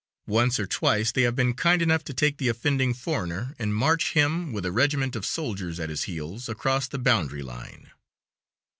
Once or twice they have been kind enough to take the offending foreigner and march him, with a regiment of soldiers at his heels, across the boundary line.